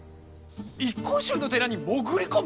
一向宗の寺に潜り込む！？